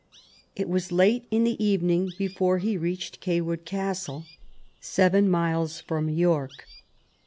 It was late in the evening before he reached Cawood Castle, seven miles from York.